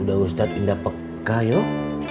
udah ustadz indah peka yuk